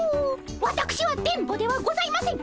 わたくしは電ボではございません。